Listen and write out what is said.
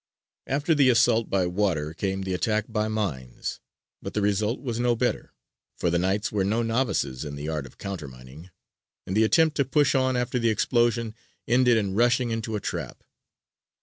After the assault by water came the attack by mines; but the result was no better, for the Knights were no novices in the art of countermining, and the attempt to push on after the explosion ended in rushing into a trap.